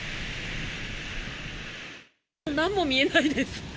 なんも見えないです。